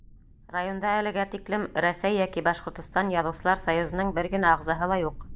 Районда әлегә тиклем Рәсәй йәки Башҡортостан Яҙыусылар союзының бер генә ағзаһы ла юҡ.